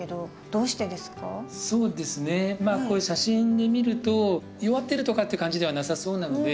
そうですねこういう写真で見ると弱ってるとかっていう感じではなさそうなので。